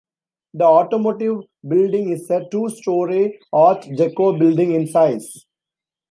The Automotive Building is a two-storey Art Deco building, in size.